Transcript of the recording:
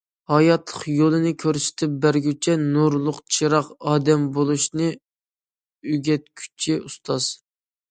ھاياتلىق يولىنى كۆرسىتىپ بەرگۈچى نۇرلۇق چىراغ، ئادەم بولۇشنى ئۆگەتكۈچى ئۇستاز.